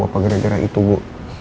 apa gara gara itu bu